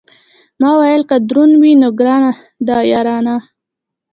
ما ویل که دروند وي، نو ګرانه ده یارانه.